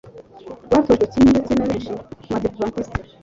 rwatojwe kimwe ndetse na benshi mu Badiventisti